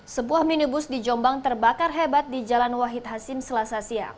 sebuah minibus di jombang terbakar hebat di jalan wahid hasin selasa siang